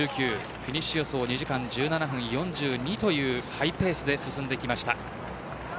フィニッシュ予想は２時間１７分４２というハイペースで進んできました。